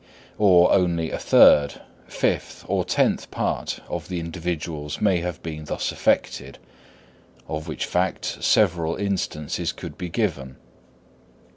Or only a third, fifth, or tenth part of the individuals may have been thus affected, of which fact several instances could be given.